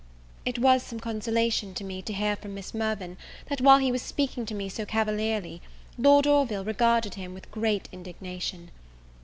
It was some consolation to me to hear from Miss Mirvan, that, while he was speaking to me so cavalierly, Lord Orville regarded him with great indignation.